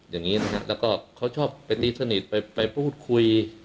อย่างนี้นะครับแล้วก็เขาชอบไปตีสนิทไปพูดคุย